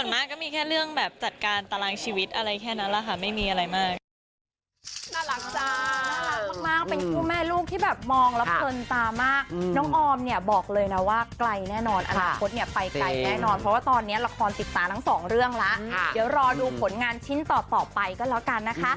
ส่วนมากก็มีแค่เรื่องแบบจัดการตารางชีวิตอะไรแค่นั้นแหละค่ะไม่มีอะไรมาก